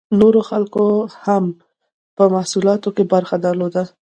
نورو خلکو هم په محصولاتو کې برخه درلوده.